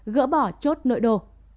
hai gỡ bỏ chốt nội đô